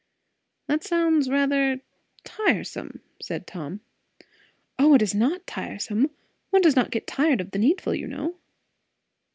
"That sounds rather tiresome," said Tom. "O, it is not tiresome. One does not get tired of the needful, you know."